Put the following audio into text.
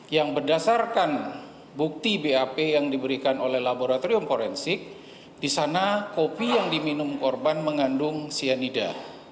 yang berdasarkan bukti bap yang diberikan oleh laboratorium forensik di sana kopi yang diminum korban mengandung cyanida